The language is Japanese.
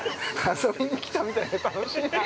◆遊びに来たみたいで楽しいなぁ。